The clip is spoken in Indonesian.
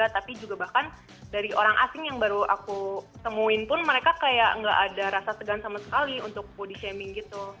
tapi juga bahkan dari orang asing yang baru aku temuin pun mereka kayak nggak ada rasa tegang sama sekali untuk body shaming gitu